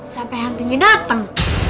sampai hantunya dateng